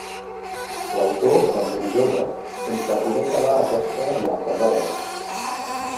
L'autor va morir jove sense poder acabar aquesta i altres obres.